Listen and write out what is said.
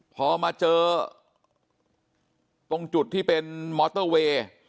พอมาเจอตรงจุดที่เป็นมอเตอร์เวย์